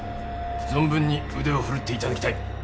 存分に腕を振るって頂きたい。